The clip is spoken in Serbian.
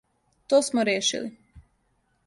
То смо решили.